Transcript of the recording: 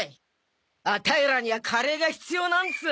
アタイらにはカレーが必要なんす。